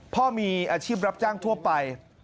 พ่อมีอาชีพรับจ้างทั่วไป